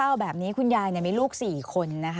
อันดับ๖๓๕จัดใช้วิจิตร